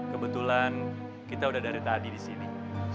kebetulan kita udah dari tadi disini